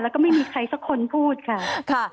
แล้วก็ไม่มีใครสักคนพูดค่ะ